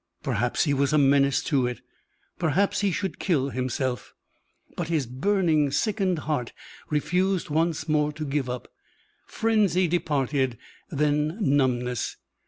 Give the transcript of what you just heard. Perhaps he was a menace to it. Perhaps he should kill himself. But his burning, sickened heart refused once more to give up. Frenzy departed, then numbness.